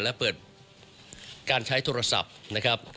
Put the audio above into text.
และเปิดการใช้โทรศัพท์นะครับ